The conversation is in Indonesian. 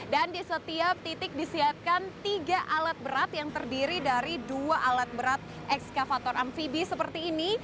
di setiap titik disiapkan tiga alat berat yang terdiri dari dua alat berat ekskavator amfibi seperti ini